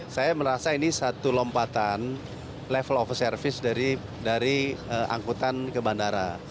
saya merasa ini satu lompatan level of service dari angkutan ke bandara